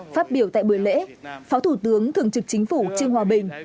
phát biểu tại buổi lễ phó thủ tướng thường trực chính phủ trương hòa bình